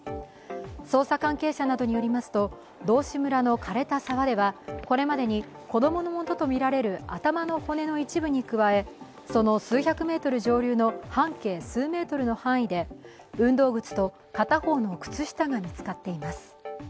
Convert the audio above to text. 捜査関係者などによりますと、道志村のかれた沢では、これまでに子供のものとみられる頭の骨の一部に加え、その数百メートル上流の半径数メートルの範囲で運動靴と片方の靴下が見つかっています。